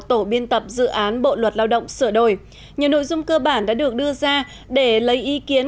tổ biên tập dự án bộ luật lao động sửa đổi nhiều nội dung cơ bản đã được đưa ra để lấy ý kiến